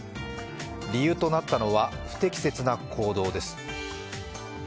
理由となったのは、不適切な行動です。